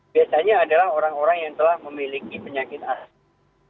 biasanya adalah orang orang yang telah memiliki penyakit as